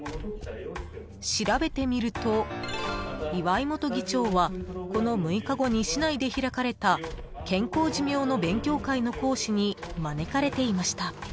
［調べてみると岩井元議長はこの６日後に市内で開かれた健康寿命の勉強会の講師に招かれていました］